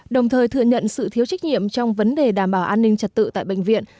đồng thời thừa nhận sự thiếu trách nhiệm trong vấn đề đảm bảo an ninh trật tự tại bệnh viện